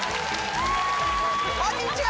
こんにちは！